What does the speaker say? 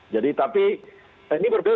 jadi tapi ini berbeda